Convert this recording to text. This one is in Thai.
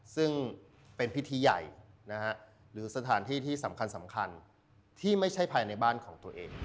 ซึ่งเป็นพิธีใหญ่หรือสถานที่ที่สำคัญที่ไม่ใช่ภายในบ้านของตัวเอง